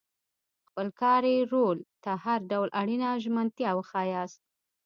خپل کاري رول ته هر ډول اړینه ژمنتیا وښایاست.